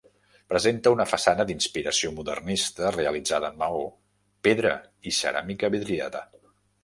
Presenta una façana d'inspiració modernista realitzada en maó, pedra i ceràmica vidriada.